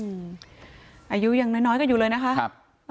อืมอายุยังน้อยก็อยู่เลยนะฮะ